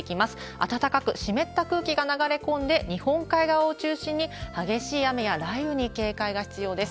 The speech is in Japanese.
暖かく湿った空気が流れ込んで、日本海側を中心に、激しい雨や雷雨に警戒が必要です。